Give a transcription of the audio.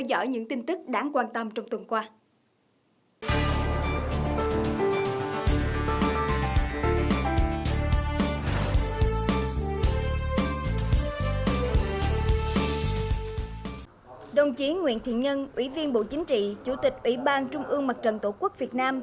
đồng chí nguyễn thiện nhân ủy viên bộ chính trị chủ tịch ủy ban trung ương mặt trận tổ quốc việt nam